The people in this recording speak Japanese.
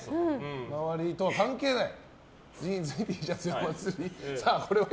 周りとは関係ない。